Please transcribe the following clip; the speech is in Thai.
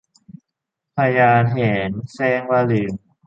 พญาแถนแสร้งว่าลืม